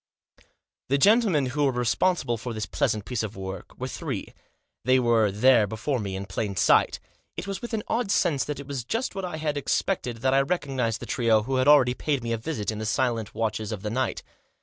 The gentlemen who were responsible for this plea sant piece of work were three. They were there before me in plain sight. It was with an odd sense that it was just what I had expected that I recognised the trio who had already paid me a visit in the silent watches of the night.